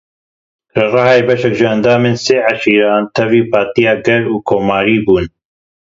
Li Rihayê beşek ji endamên sê eşîran tevlî Partiya Gel a Komarî bûn.